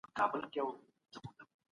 غالبي او مسلطي دي.